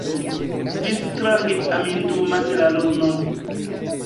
Vi strange amindumas la lunon!